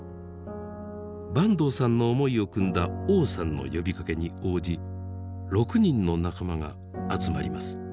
坂東さんの思いをくんだ王さんの呼びかけに応じ６人の仲間が集まります。